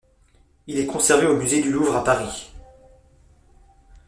Il est conservé au Musée du Louvre à Paris.